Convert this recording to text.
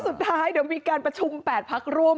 สุดท้ายเดี๋ยวมีการประชุม๘พักร่วม